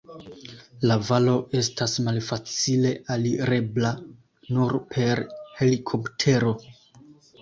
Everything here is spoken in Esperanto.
La valo estas malfacile alirebla, nur per helikoptero.